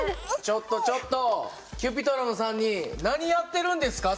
ちょっとちょっとＣｕｐｉｔｒｏｎの３人何やってるんですか？